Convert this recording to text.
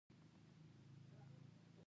ولي مسلمان د بل ورور په کمزورۍ خوشحاله سي؟